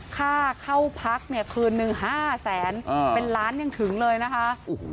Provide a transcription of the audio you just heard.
ค่าเข้าพักเนี่ยคืนหนึ่ง๕แสนเป็นล้านยังถึงเลยนะคะ